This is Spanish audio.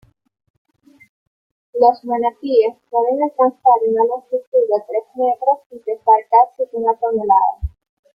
Los manatíes pueden alcanzar una longitud de tres metros y pesar casi una tonelada.